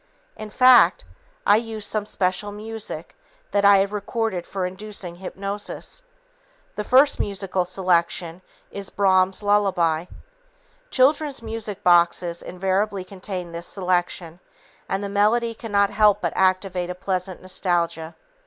In fact, I use some special music that I had recorded for inducing hypnosis. The first musical selection is Brahms' "Lullaby." Children's music boxes invariably contain this selection, and the melody cannot help but activate a pleasant nostalgia.